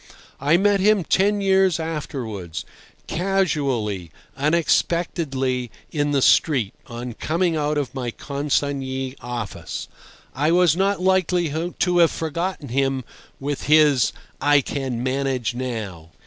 I met him ten years afterwards, casually, unexpectedly, in the street, on coming out of my consignee office. I was not likely to have forgotten him with his "I can manage now."